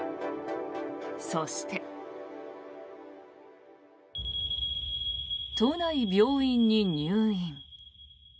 そして、都内病院に入院。